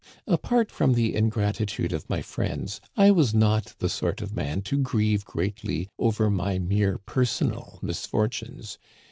Apart from the ingratitude of my friends, I was not the sort of man to grieve greatly over my mere personal mis fortunes.